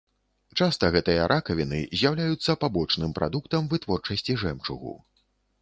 Часта гэтыя ракавіны з'яўляюцца пабочным прадуктам вытворчасці жэмчугу.